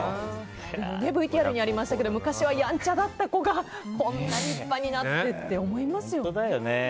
ＶＴＲにありましたが昔はやんちゃだった子がこんなに立派になってって思いますよね。